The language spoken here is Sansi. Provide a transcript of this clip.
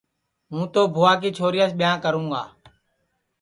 ہُوں تو بھُوا کی چھوریاس ٻِیانٚھ کروں گا